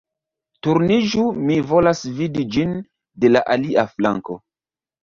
Turniĝu mi volas vidi ĝin de la alia flanko